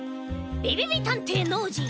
びびびたんていノージー